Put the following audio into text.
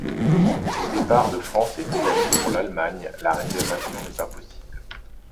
Au départ de France et d’Italie pour l'Allemagne, la réservation n’est pas possible.